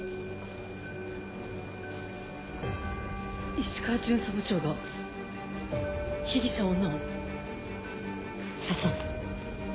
石川巡査部長が被疑者女を射殺。